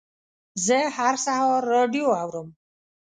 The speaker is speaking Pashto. زه هر سهار راډیو اورم.